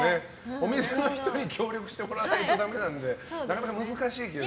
お店の人に協力してもらわないとなのでなかなか難しいけど。